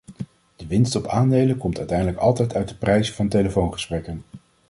De winst op aandelen komt uiteindelijk altijd uit de prijzen van telefoongesprekken.